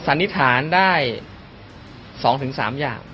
สันนิษฐานได้๒๓อย่าง